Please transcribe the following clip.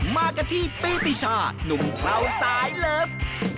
มากันที่ปีติชานุ่มเคราวสายเลิฟ